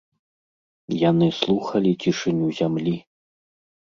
Яны слухалі цішыню зямлі.